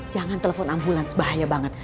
jangan telepon ambulans bahaya banget